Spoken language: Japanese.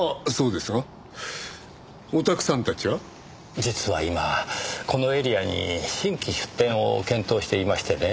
実は今このエリアに新規出店を検討していましてね。